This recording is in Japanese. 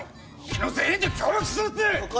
昨日全員で協力するって。